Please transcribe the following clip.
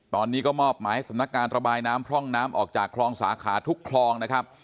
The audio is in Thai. ตอนนี้ก็มอบหมายสำนักงานระบายน้ำพร่องน้ำออกจากคลองสาขาทุกคลองนะครับ